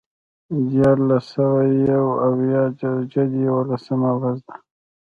د دیارلس سوه یو اویا د جدې یوولسمه ورځ ده.